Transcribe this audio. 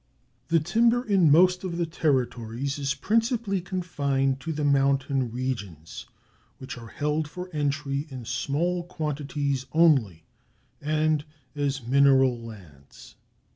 The timber in most of the Territories is principally confined to the mountain regions, which are held for entry in small quantities only, and as mineral lands.